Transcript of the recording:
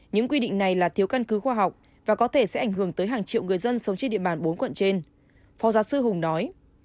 những quy định này là thiếu căn cứ khoa học và có thể sẽ ảnh hưởng tới hàng triệu người dân sống trên địa bàn bốn quận trên phó giáo sư hùng nói